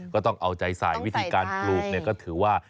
ก็ต้องเอาใจใส่วิธีการปลูกก็ถือว่า